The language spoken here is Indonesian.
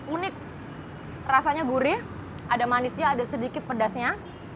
unik rasanya gurih ada manisnya ada sedikit pedasnya